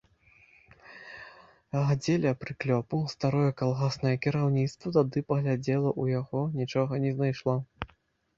Дзеля прыклёпу старое калгаснае кіраўніцтва тады паглядзела ў яго, нічога не знайшло.